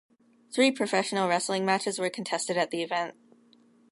Three professional wrestling matches were contested at the event.